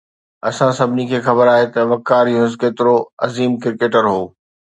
اسان سڀني کي خبر آهي ته وقار يونس ڪيترو عظيم ڪرڪيٽر هو